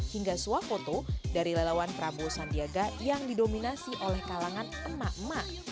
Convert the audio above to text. hingga suah foto dari lelawan prabowo sandiaga yang didominasi oleh kalangan emak emak